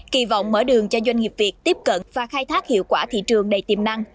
kỳ vọng mở đường cho doanh nghiệp việt tiếp cận và khai thác hiệu quả thị trường đầy tiềm năng